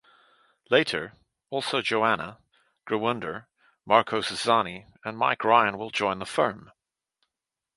Later, also Johanna Grawunder, Marco Susani and Mike Ryan will join the firm.